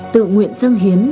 tự nguyện dâng hiến